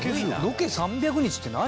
ロケ３００日って何？